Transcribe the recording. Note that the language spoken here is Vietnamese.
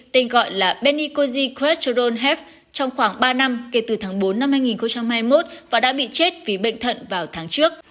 tên gọi là benikozy credronef trong khoảng ba năm kể từ tháng bốn năm hai nghìn hai mươi một và đã bị chết vì bệnh thận vào tháng trước